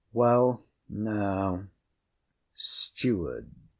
Well, now. STEWARD.